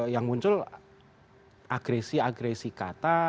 yang muncul agresi agresi kata